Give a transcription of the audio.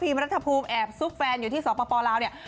รัฐภูมิแอบซุกแฟนอยู่ที่สปลาวเนี่ย